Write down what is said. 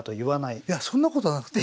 いやそんなことはなくて。